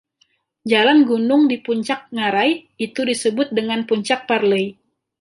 Jalan gunung di puncak ngarai itu disebut dengan Puncak Parley.